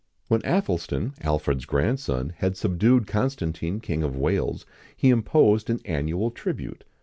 When Athelstan, Alfred's grandson, had subdued Constantine King of Wales, he imposed an annual tribute.